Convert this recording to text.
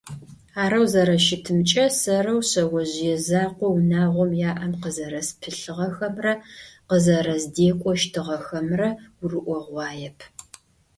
Арэу зэрэщытымкӏэ, сэрэу шъэожъые закъоу унагъом яӏэм къызэрэспылъыгъэхэмрэ къызэрэздекӏокӏыщтыгъэхэмрэ гурыӏогъуаеп.